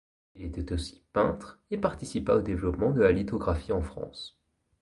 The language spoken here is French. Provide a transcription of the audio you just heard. Il était aussi peintre, et participa au développement de la lithographie en France.